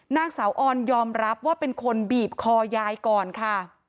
นางสาวออนยอมรับว่าเป็นคนบีบคอยายก่อนค่ะ